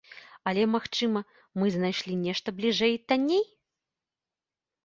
Але, магчыма, мы знайшлі нешта бліжэй і танней?